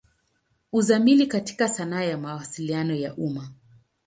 Uzamili katika sanaa ya Mawasiliano ya umma.